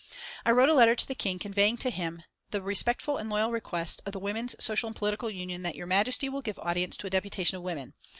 I wrote a letter to the King, conveying to him "the respectful and loyal request of the Women's Social and Political Union that Your Majesty will give audience to a deputation of women."